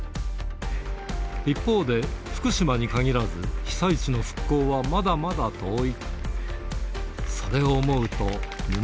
一方で、福島に限らず被災地の復興はまだまだ遠い。